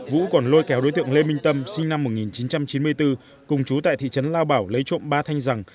vũ còn lôi kéo đối tượng lê minh tâm sinh năm một nghìn chín trăm chín mươi bốn cùng chú tại thị trấn lao bảo lấy trộm ba thanh rằng